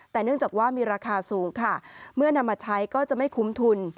แต่เนื่องจากว่ามีราคาสูงค่ะเมื่อนำมาใช้ก็จะไม่คุ้มทุน